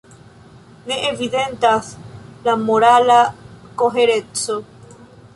Ne evidentas la morala kohereco.